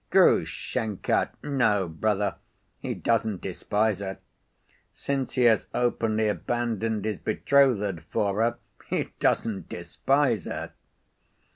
"Grushenka? No, brother, he doesn't despise her. Since he has openly abandoned his betrothed for her, he doesn't despise her.